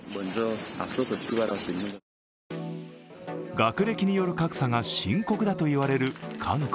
学歴による格差が深刻だといわれる韓国。